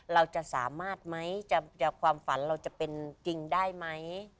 เราจะสามารถไหมความฝันเราจะเป็นจริงได้ไหม